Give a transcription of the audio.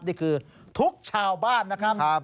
นี่คือทุกชาวบ้านนะครับ